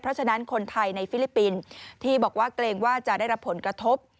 เพราะฉะนั้นคนไทยในฟิลิปปินส์ที่บอกว่าเกรงว่าจะได้รับผลกระทบ